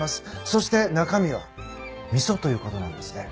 そして中身は味噌ということなんですね。